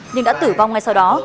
nhưng đã tử vong ngay sau đó